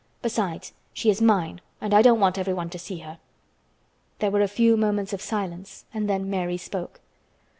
Besides, she is mine and I don't want everyone to see her." There were a few moments of silence and then Mary spoke.